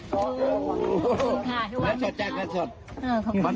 ขอบคุณค่ะทุกวัน